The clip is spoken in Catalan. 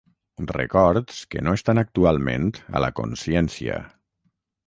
records que no estan actualment a la consciència